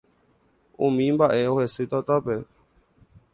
Umi mba'e ohesy tatápe